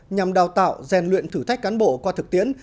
nhằm đào tạo rèn luyện thử thách cán bộ qua thực tiễn